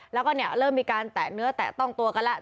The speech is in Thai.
แล้วก็เนี่ยเริ่มมีการแตะเนื้อแตะต้องตัวกันแล้ว